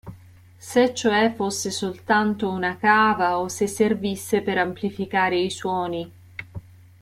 Se cioè fosse soltanto una cava o se servisse per amplificare i suoni.